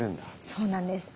そうなんです。